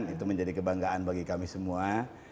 itu menjadi kebanggaan bagi kami semua